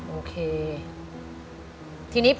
อเรนนี่คือเหตุการณ์เริ่มต้นหลอนช่วงแรกแล้วมีอะไรอีก